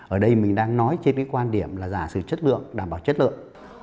ở đây mình đang nói trên cái quan điểm là giả sử chất lượng đảm bảo chất lượng